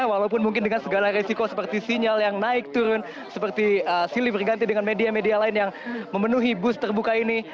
walaupun mungkin dengan segala resiko seperti sinyal yang naik turun seperti silih berganti dengan media media lain yang memenuhi bus terbuka ini